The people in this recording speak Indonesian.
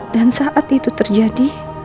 dan saat itu terjadi